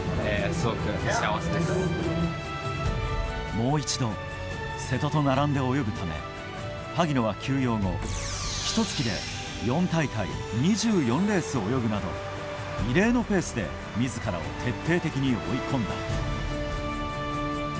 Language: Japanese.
もう一度瀬戸と並んで泳ぐため萩野は休養後、ひと月で４大会２４レース泳ぐなど異例のペースで自らを徹底的に追い込んだ。